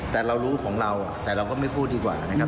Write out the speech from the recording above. แต่เรารู้ของเราแต่เราก็ไม่พูดดีกว่านะครับ